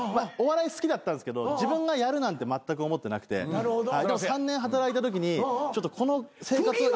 お笑い好きだったんですけど自分がやるなんてまったく思ってなくてでも３年働いたときにこの生活。